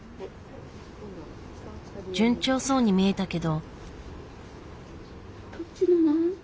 順調そうに見えたけど。